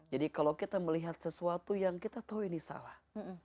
jadi kalau kita melihat sesuatu yang kita tahu ini salah